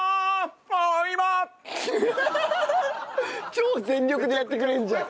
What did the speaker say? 超全力でやってくれるじゃん。